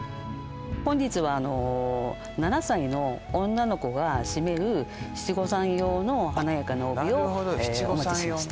本日は７歳の女の子が締める七五三用の華やかな帯をお持ちしました